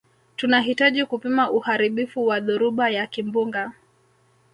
tunahitaji kupima uharibifu wa dhoruba ya kimbunga